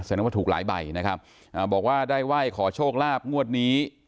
ว่าถูกหลายใบนะครับอ่าบอกว่าได้ไหว้ขอโชคลาภงวดนี้